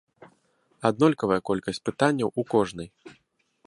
Аднолькавая колькасць пытанняў у кожнай.